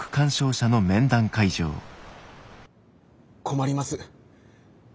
困ります。